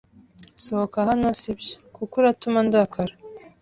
Sohoka hano sibyo, kuko uratuma ndakara